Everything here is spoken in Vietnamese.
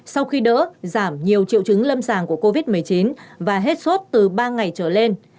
sau khi đỡ giảm nhiều triệu chứng lâm sàng của covid một mươi chín và hết sốt từ ba ngày trở lên